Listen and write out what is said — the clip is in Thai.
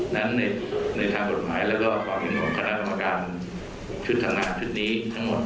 นั้นในทางกฎหมายแล้วก็ความเห็นของคณะกรรมการชุดทำงานชุดนี้ทั้งหมด